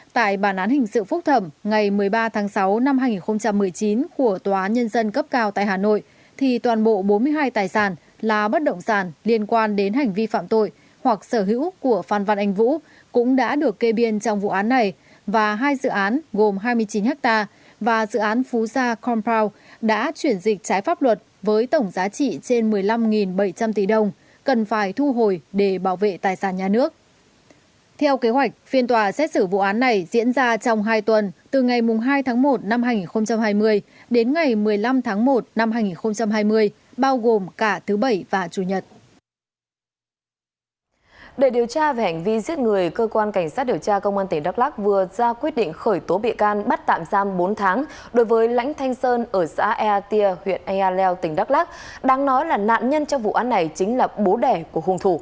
trong sự phúc thẩm ngày một mươi ba tháng sáu năm hai nghìn một mươi chín của tòa nhân dân cấp cao tại hà nội thì toàn bộ bốn mươi hai tài sản là bất động sản liên quan đến hành vi phạm tội hoặc sở hữu của phan văn anh vũ cũng đã được kê biên trong vụ án này và hai dự án gồm hai mươi chín hectare và dự án phú sa compound đã chuyển dịch trái pháp luật với tổng giá trị trên một mươi năm bảy trăm linh tỷ đồng cần phải thu hồi để bảo vệ tài sản nhà nước